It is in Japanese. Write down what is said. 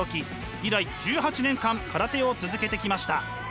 以来１８年間空手を続けてきました。